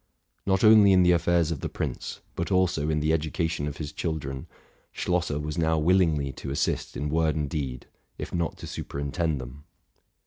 Not only in the affairs of the prince, but also in the educa tion of his children, Schlosser was now willingly to assist in word and deed, if not to superintend them.